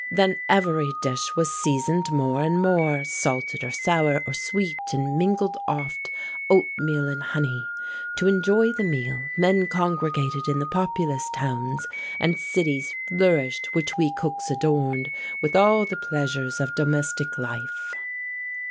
Then every dish was season'd more and more, Salted, or sour, or sweet, and mingled oft Oatmeal and honey. To enjoy the meal Men congregated in the populous towns, And cities flourish'd which we cooks adorn'd With all the pleasures of domestic life.